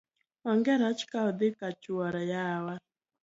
ong'e rach ka odhi kachoure yawa